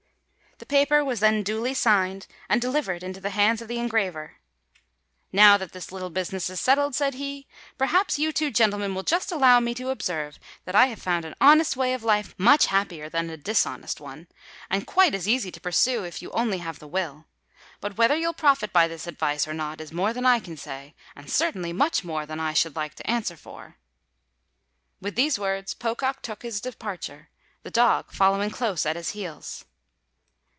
The paper was then duly signed, and delivered into the hands of the engraver. "Now that this little business is settled," said he, "perhaps you two gentlemen will just allow me to observe that I have found an honest way of life much happier than a dishonest one, and quite as easy to pursue, if you only have the will; but whether you'll profit by this advice or not, is more than I can say—and certainly much more than I should like to answer for." With these words Pocock took his departure, the dog following close at his heels.